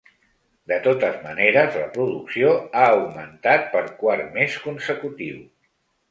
De totes maneres, la producció ha augmentat per quart mes consecutiu.